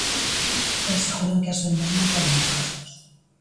E aseguran que as vendas non cobren os gastos.